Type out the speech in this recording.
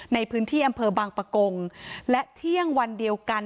ในพื้นที่อำเภอบางปะกงและเที่ยงวันเดียวกัน